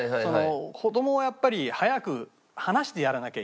子どもはやっぱり早く離してやらなきゃいけない。